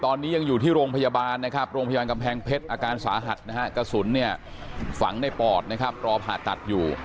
ตรงนี้ยังอยู่ที่โรงพยาบาลนะครับกาศุหัสฝังในปอดพราะตรรศ๙